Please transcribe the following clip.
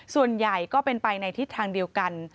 ส่วนใหญ่ก็เป็นไปในทิศทางเดียวกัน